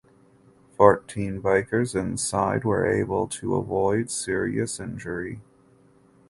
Fourteen bikers inside were able to avoid serious injury.